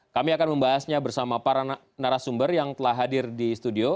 kami akan membahasnya bersama para narasumber yang telah hadir di studio